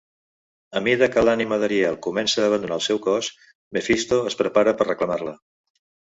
A mida que l'ànima d'Ariel comença a abandonar el seu cos, Mephisto es prepara per reclamar-la.